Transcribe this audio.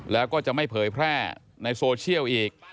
แล้วก็จะไม่เผยแพร่ในโซเชียลอีก